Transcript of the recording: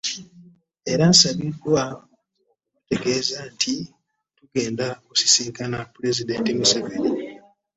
Era Nsabiddwa okubategeeza nti tugenda kusisinkana Pulezidenti Museveni